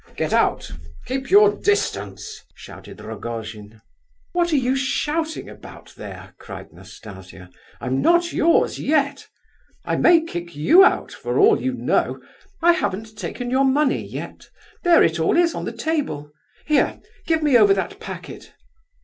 "Get out, keep your distance!" shouted Rogojin. "What are you shouting about there!" cried Nastasia "I'm not yours yet. I may kick you out for all you know I haven't taken your money yet; there it all is on the table. Here, give me over that packet!